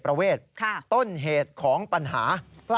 เวทต้นเหตุของปัญหา